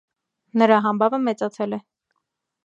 Նրա համբավը մեծացել է։